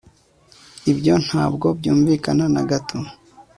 ibyo ntabwo byumvikana na gato